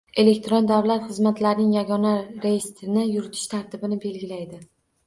Elektron davlat xizmatlarining yagona reyestrini yuritish tartibini belgilaydi;